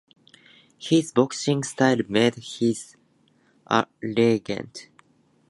His boxing style made him a legend.